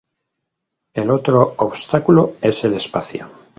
El otro obstáculo es el espacio.